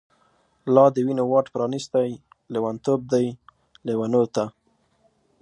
لا د وینو واټ پرانیستۍ، لیونتوب دی لیونوته